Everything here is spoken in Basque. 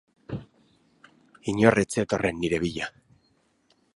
Inor ez zetorren nire bila.